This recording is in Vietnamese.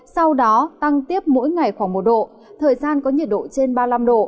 sau đó tăng tiếp mỗi ngày khoảng một độ thời gian có nhiệt độ trên ba mươi năm độ